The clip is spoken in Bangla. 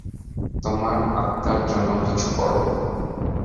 তোমার আত্মার জন্য কিছু কর।